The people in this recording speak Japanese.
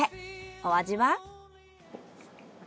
お味は？